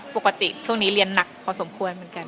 ปกติช่วงนี้เรียนหนักพอสมควรเหมือนกัน